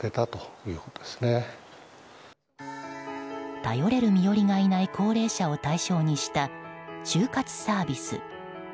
頼れる身寄りがいない高齢者を対象にした終活サービス。